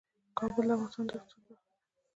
کابل د افغانستان د اقتصاد برخه ده.